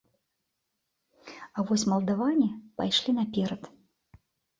А вось малдаване пайшлі наперад.